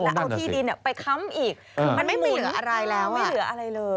แล้วเอาที่ดินไปค้ำอีกมันหมุนไม่เหลืออะไรแล้ว